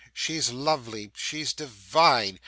'She's lovely, she's divine.